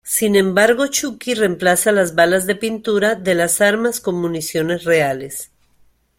Sin embargo, Chucky reemplaza las balas de pintura de las armas con municiones reales.